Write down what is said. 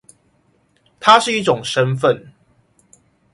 它是一種身分